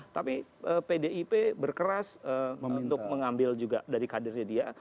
tapi pdip berkeras untuk mengambil juga dari kadernya dia